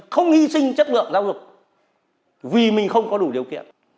không hy sinh chất lượng giáo dục vì mình không có đủ điều kiện